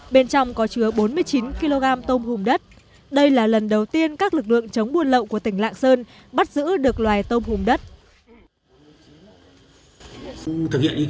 bên trong có chứa bốn mươi chín kg tôm hùm đất đây là lần đầu tiên các lực lượng chống buôn lậu của tỉnh lạng sơn bắt giữ được loài tôm hùng đất